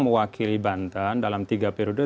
mewakili banten dalam tiga periode